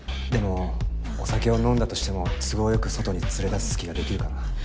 でもお酒を飲んだとしても都合良く外に連れ出す隙ができるかな？